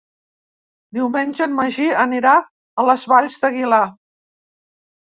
Diumenge en Magí anirà a les Valls d'Aguilar.